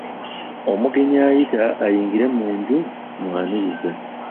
Omugenyi ayita ayingire mu nju tumwaniriza.